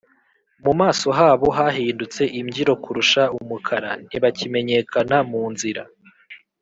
Mu maso habo hahindutse imbyiro kurusha umukara, Ntibakimenyekana mu nzira.